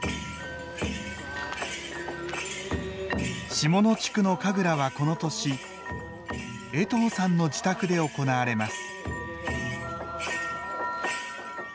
下野地区の神楽はこの年江藤さんの自宅で行われます。